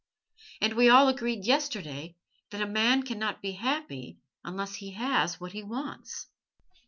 And we all agreed yesterday that a man cannot be happy unless he has what he wants."